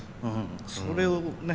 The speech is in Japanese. それをね